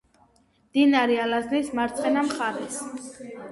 მდინარე ალაზნის მარცხენა მხარეს.